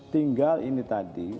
tinggal ini tadi